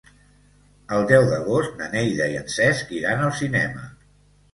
El deu d'agost na Neida i en Cesc iran al cinema.